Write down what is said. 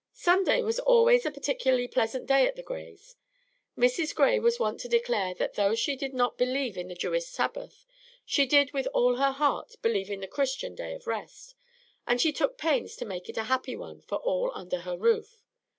Sunday was always a particularly pleasant day at the Grays'. Mrs. Gray was wont to declare that though she did not believe in the Jewish Sabbath, she did with all her heart believe in the Christian day of rest; and she took pains to make it a happy one for all under her roof.